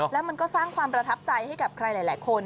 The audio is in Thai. แล้วมันก็สร้างความประทับใจให้กับใครหลายคน